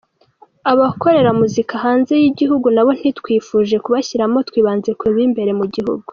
Abakorera muzika hanze y’igihugu nabo ntitwifuje kubashyiramo, twibanze ku b’imbere mu gihugu.